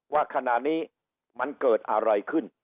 ว่าขณะนี้มันเกิดอะไรขึ้น